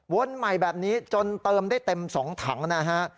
ใหม่แบบนี้จนเติมได้เต็ม๒ถังนะฮะ